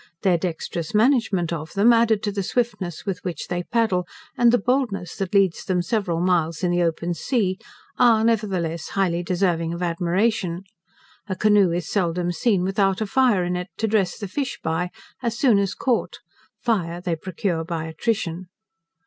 Their dexterous management of them, added to the swiftness with which they paddle, and the boldness that leads them several miles in the open sea, are, nevertheless, highly deserving of admiration. A canoe is seldom seen without a fire in it, to dress the fish by, as soon as caught: fire they procure by attrition.